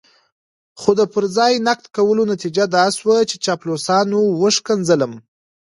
خو د پر ځای نقد کولو نتيجه دا شوه چې چاپلوسانو وشکنځلم.